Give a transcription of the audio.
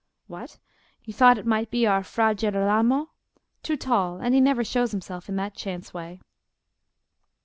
"What? you thought it might be our Fra Girolamo? Too tall; and he never shows himself in that chance way."